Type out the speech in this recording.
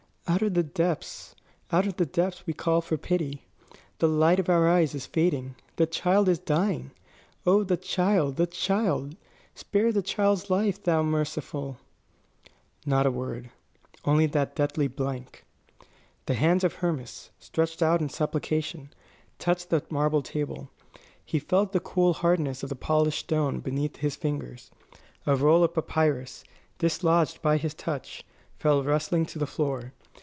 "Out of the depths out of the depths we call for pity. The light of our eyes is fading the child is dying. Oh, the child, the child! Spare the child's life, thou merciful " Not a word; only that deathly blank. The hands of Hermas, stretched out in supplication, touched the marble table. He felt the cool hardness of the polished stone beneath his fingers. A roll of papyrus, dislodged by his touch, fell rustling to the floor.